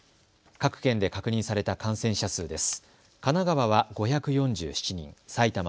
各県で確認された感染者数です。